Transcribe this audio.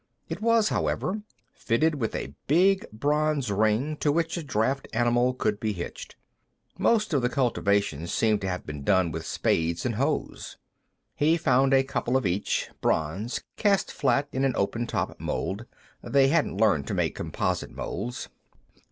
It was, however, fitted with a big bronze ring to which a draft animal could be hitched. Most of the cultivation seemed to have been done with spades and hoes. He found a couple of each, bronze, cast flat in an open top mold. They hadn't learned to make composite molds.